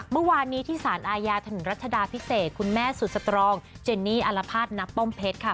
เมื่อวานนี้ที่สารอาญาถนนรัชดาพิเศษคุณแม่สุดสตรองเจนนี่อารภาษณป้อมเพชรค่ะ